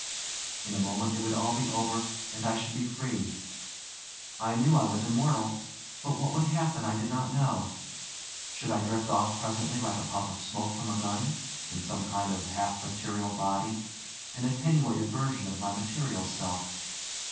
In a moment it would all be over, and I should be free. I knew I was immortal, but what would happen I did not know. Should I drift off presently, like a puff of smoke from a gun, in some kind of half material body, an attenuated version of my material self?